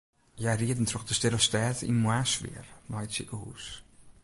Hja rieden troch de stille stêd yn moarnssfear nei it sikehûs.